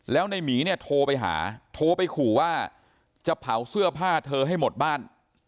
แล้วในหมีเนี่ยโทรไปหาโทรไปขู่ว่าจะเผาเสื้อผ้าเธอให้หมดบ้าน